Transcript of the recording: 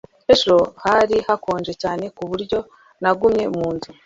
ejo hari hakonje cyane ku buryo nagumye mu nzu